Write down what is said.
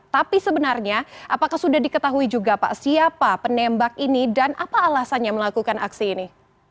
tapi sebenarnya apakah sudah diketahui juga pak siapa penembak ini dan apa alasannya melakukan aksi ini